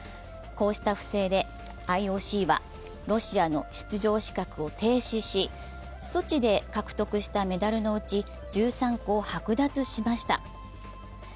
こうした不正でＩＯＣはロシアの出場資格を停止しソチで獲得したメダルのうち１３個を剥奪しました。